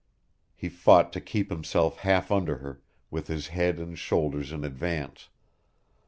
He fought to keep himself half under her, with his head and shoulders in advance.